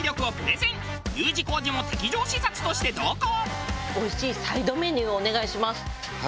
Ｕ字工事も敵情視察として同行！